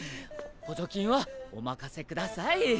補助金はお任せください。